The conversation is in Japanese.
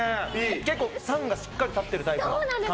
結構、酸がしっかり立ってるタイプのカンパーニュ。